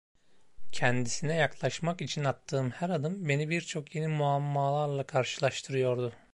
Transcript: Kendisine yaklaşmak için attığım her adım beni birçok yeni muammalarla karşılaştırıyordu.